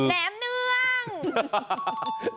แหน่มเนื้อง